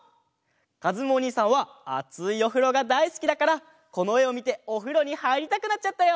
かずむおにいさんはあついおふろがだいすきだからこのえをみておふろにはいりたくなっちゃったよ！